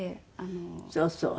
そうそう。